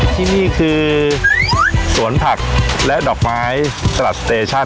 ที่นี่คือสวนผักและดอกไม้สลัดสเตชั่น